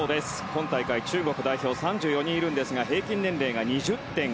今大会中国代表３４人いるんですが平均年齢が２０．５歳。